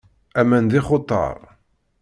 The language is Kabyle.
Aman d ixutar.